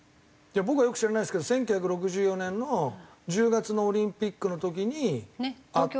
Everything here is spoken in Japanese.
僕はよく知らないですけど１９６４年の１０月のオリンピックの時に会って。